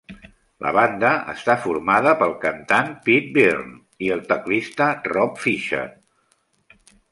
La banda està formada pel cantant Pete Byrne i el teclista Rob Fisher.